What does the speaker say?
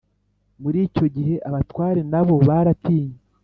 muri icyo gihe, abatware nabo baratinye